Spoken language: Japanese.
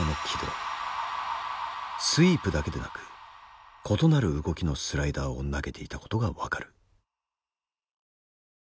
スイープだけでなく異なる動きのスライダーを投げていたことが分かる。